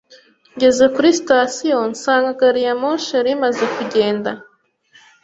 Ngeze kuri sitasiyo, nsanga gari ya moshi yari imaze kugenda.